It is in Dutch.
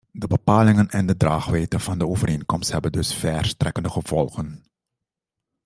De bepalingen en de draagwijdte van de overeenkomst hebben dus verstrekkende gevolgen.